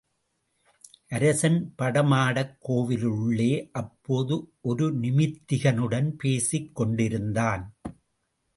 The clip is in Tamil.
அரசன் படமாடக் கோவிலுள்ளே அப்போது ஒரு நிமித்திகனுடன் பேசிக் கொண்டிருந்தான்.